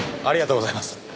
ありがとうございます。